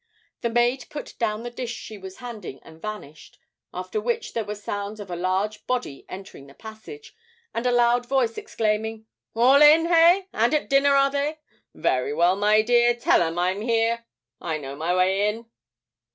The maid put down the dish she was handing and vanished; after which there were sounds of a large body entering the passage, and a loud voice exclaiming, 'All in, hey? and at dinner, are they? Very well, my dear; tell 'em I'm here. I know my way in.'